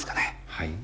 はい？